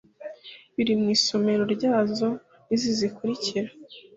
biri mu isomero ryazo niz izi zikurikira